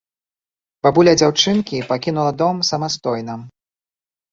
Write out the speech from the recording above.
Бабуля дзяўчынкі пакінула дом самастойна.